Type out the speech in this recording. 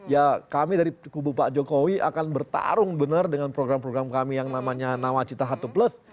ya kami dari kubu pak jokowi akan bertarung benar dengan program program kami yang namanya nawacita harto plus